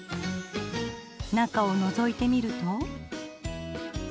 中をのぞいてみると。